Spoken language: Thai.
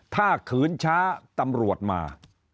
ถ้าขืนช้าตำรวจมา